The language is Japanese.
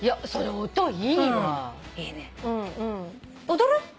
踊る？